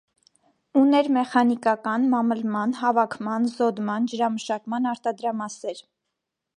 Ուներ մեխանիկական, մամլման, հավաքման, զոդման, ջերմամշակման արտադրամասեր։